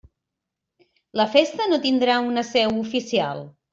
La Festa no tindrà una seu oficial.